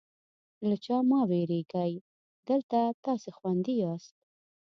له چا مه وېرېږئ، دلته تاسې خوندي یاست.